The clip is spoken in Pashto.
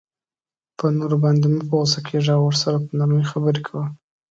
په نورو باندی مه په غصه کیږه او ورسره په نرمۍ خبری کوه